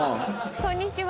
こんにちは。